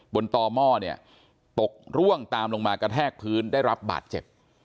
ต่อหม้อเนี่ยตกร่วงตามลงมากระแทกพื้นได้รับบาดเจ็บ